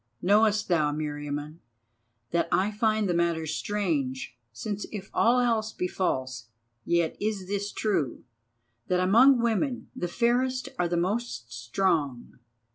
Knowest thou, Meriamun, that I find the matter strange, since if all else be false, yet is this true, that among women the fairest are the most strong.